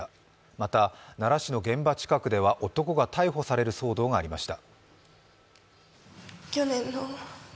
また、奈良市の現場近くでは男が逮捕される騒動がありました。